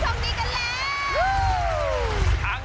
หรือเป็นผู้โชคดีจากทางไหน